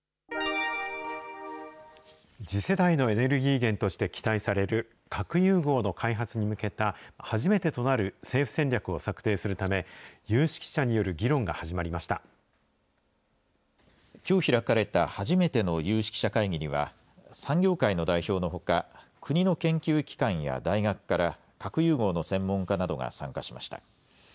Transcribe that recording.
次世代のエネルギー源として期待される核融合の開発に向けた初めてとなる政府戦略を策定するため、有識者による議論が始まりきょう開かれた初めての有識者会議には、産業界の代表のほか、国の研究機関や大学から、核融合の専門家などが参加しました。